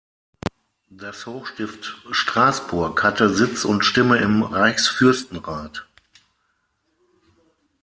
Das Hochstift Straßburg hatte Sitz und Stimme im Reichsfürstenrat.